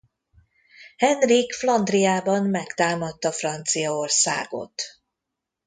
Henrik Flandriában megtámadta Franciaországot.